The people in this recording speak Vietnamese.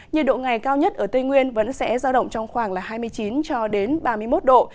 nhiệt độ ngày cao nhất ở tây nguyên vẫn sẽ giao động trong khoảng hai mươi chín cho đến ba mươi một độ